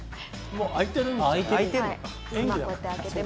もう開いてるのか。